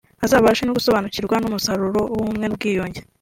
azabashe gusobanukirwa n’umusaruro w’ubumwe n’ubwiyunge